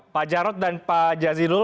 pak jarod dan pak jazilul